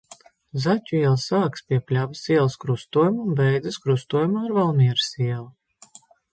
Zaķu iela sākas pie Pļavas ielas krustojuma un beidzas krustojumā ar Valmieras ielu.